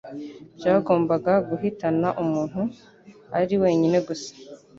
byagombaga guhitana umuntu. Ari wenyine gusa,